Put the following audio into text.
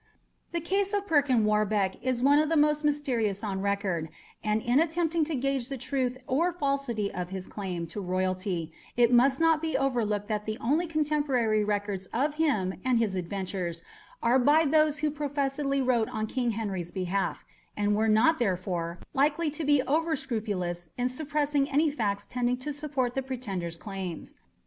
The case of Perkin Warbeck is one of the most mysterious on record; and in attempting to gauge the truth or falsity of his claim to royalty it must not be overlooked that the only contemporary records of him and his adventures are by those who professedly wrote on King Henry's behalf, and were not, therefore, likely to be over scrupulous in suppressing any facts tending to support the pretender's claims.